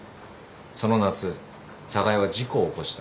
その夏寒河江は事故を起こした。